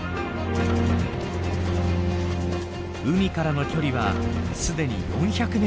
海からの距離はすでに４００ｍ。